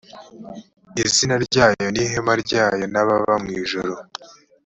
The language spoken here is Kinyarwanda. izina ryayo n ihema ryayo n ababa mu ijuru